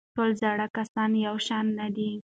ټول زاړه کسان یو شان نه دي.